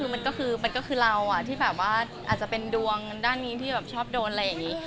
มันก็คือเราอะที่แบบว่าอาจจะเป็นดวงด้านนี้ที่ชอบโดนอะไรอย่างนี้